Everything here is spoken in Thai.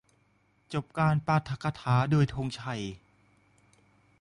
จบการปาฐกถาโดยธงชัย